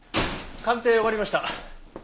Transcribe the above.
鑑定終わりました。